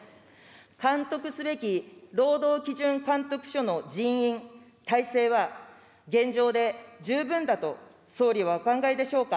監督すべき労働基準監督署の人員、体制は現状で十分だと総理はお考えでしょうか。